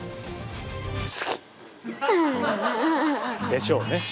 でしょうね。